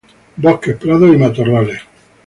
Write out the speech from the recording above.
Bosques, prados y matorrales.